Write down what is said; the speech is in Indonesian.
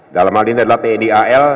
dalam hal ini adalah tidal